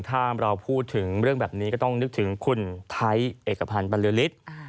ถ้าเราพูดถึงเรื่องแบบนี้ก็ต้องนึกถึงคุณไทยเอกพันธ์บรรลือฤทธิ์